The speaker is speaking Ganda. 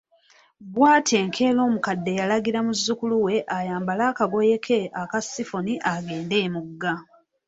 Bw’atyo enkeera omukadde yalagira muzzukulu we ayambale akagoye ke aka sifoni agende emugga.